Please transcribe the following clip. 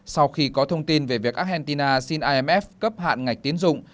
sau khi có thông tin về việc argentina xin imf cấp hạn ngạch tiến dụng